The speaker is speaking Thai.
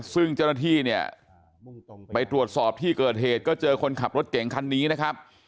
ซึ่งเจ้าหน้าที่เนี่ยไปตรวจสอบที่เกิดเหตุก็เจอคนขับรถเก่งคันนี้นะครับ